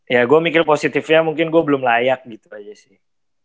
ya gue mikir positifnya mungkin gue belum layak gitu aja sih